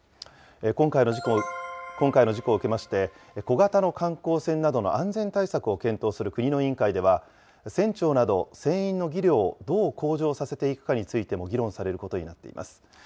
今回の事故を受けまして、小型の観光船などの安全対策を検討する国の委員会では、船長など、船員の技量をどう向上させていくかについても議論されることになっています。